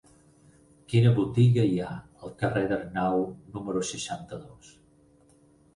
Quina botiga hi ha al carrer d'Arnau número seixanta-dos?